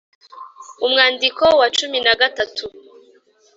umwandiko wa cumi nagatatu